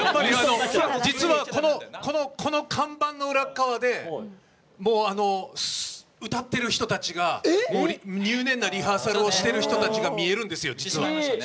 実は、この看板の裏側で歌ってる人たちが、入念なリハーサルをしてる人が見えるんですよ、実は。